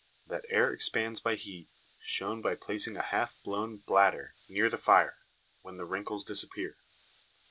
That air expands by heat, shown by placing a half blown bladder near the fire, when the wrinkles disappear.